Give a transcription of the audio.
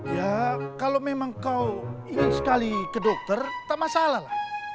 ya kalau memang kau ingin sekali ke dokter tak masalah lah